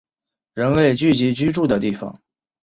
人类聚集居住的地方